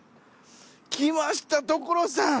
きました所さん。